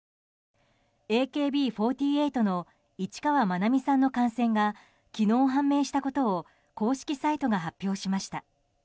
ＡＫＢ４８の市川愛美さんの感染が昨日判明したことを公式サイトが発表しました。